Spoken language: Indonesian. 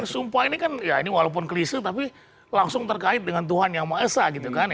sumpah ini kan ya ini walaupun klise tapi langsung terkait dengan tuhan yang maha esa gitu kan